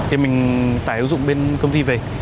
thì mình tải ứng dụng bên công ty về